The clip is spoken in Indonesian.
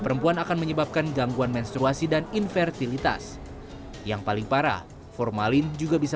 perempuan akan menyebabkan gangguan menstruasi dan invertilitas yang paling parah formalin juga bisa